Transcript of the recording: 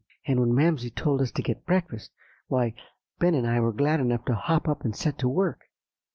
"And when Mamsie told us to get breakfast, why, Ben and I were glad enough to hop up and set to work.